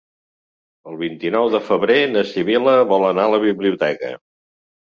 El vint-i-nou de febrer na Sibil·la vol anar a la biblioteca.